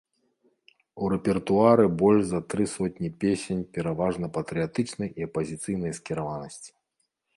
У рэпертуары больш за тры сотні песень пераважна патрыятычнай і апазіцыйнай скіраванасці.